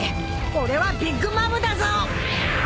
俺はビッグ・マムだぞ！